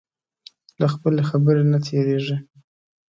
له خپلې خبرې نه تېرېږي.